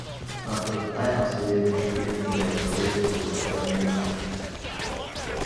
Nach nur drei absolvierten Spielen ging er zurück zu Western United.